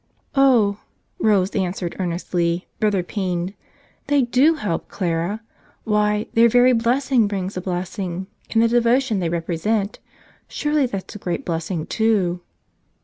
"Oh," Rose answered earnestly, rather pained, "they do help, Clara. Why, their very blessing brings a blessing, and the devotion they represent, surely that's a great blessing, too."